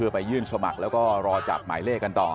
ไปยื่นสมัครแล้วก็รอจับหมายเลขกันต่อ